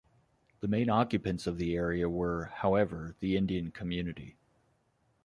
The main occupants of the area were, however, the Indian community.